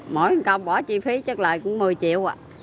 mỗi công bỏ chi phí chất lợi cũng một mươi triệu ạ